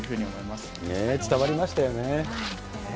はい、伝わりましたね。